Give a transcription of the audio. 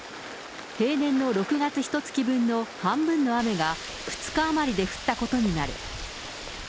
平年の６月ひとつき分の半分の雨が、２日余りで降ったことになる。